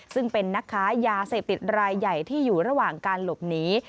ซึ่งเป็นนักค้ายาเสพติดรายใหญ่ที่อยู่ระหว่างการหลบหนี